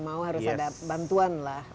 mau harus ada bantuan lah